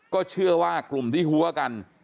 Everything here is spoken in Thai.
ก็เชื่อว่ากลุ่มที่หัวกัน